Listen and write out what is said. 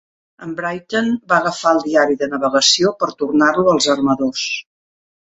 En Brighton va agafar el diari de navegació per tornar-lo als armadors.